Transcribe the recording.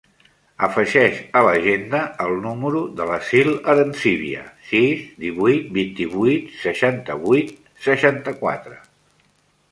Afegeix a l'agenda el número de l'Assil Arencibia: sis, divuit, vint-i-vuit, seixanta-vuit, seixanta-quatre.